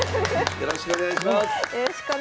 よろしくお願いします。